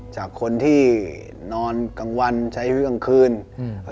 จากคนที่นอนกลางวันใช้เรื่องคืนอืม